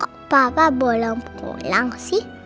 kok bapak belum pulang sih